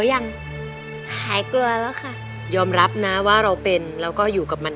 หายกลัวหรือยัง